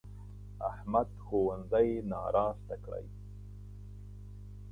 احمد ښوونځی ناراسته کړی.